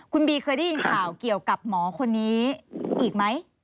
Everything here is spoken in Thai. คุณบีเคยได้ยินข่าวเกี่ยวกับหมอคนนี้อีกไหม